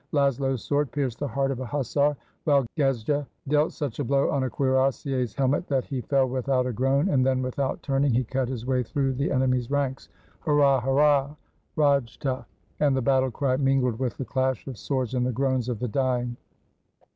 Laszlo's sword pierced the heart of a hussar, while Gejza dealt such a blow on a cuirassier's helmet that he fell without a groan, and then, without turning, he cut his way through the enemy's ranks — "Hurrah! hurrah! — rajta!" And the battle cry mingled with the clash of swords and the groans of the dying.